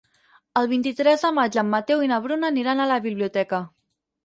El vint-i-tres de maig en Mateu i na Bruna aniran a la biblioteca.